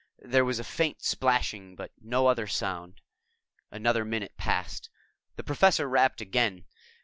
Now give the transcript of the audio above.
There was a faint splashing, but no other sound. Another minute passed. The Professor rapped again.